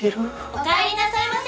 おかえりなさいませ